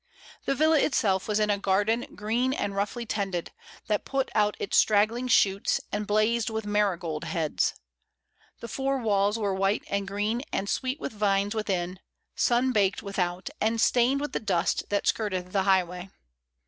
The villa itself was in a garden green and roughly tended, that put out its straggling shoots, and blazed with marigold heads. The four walls were white and green, and sweet with vines within, sun baked without, and stained with the dust that skirted the highway.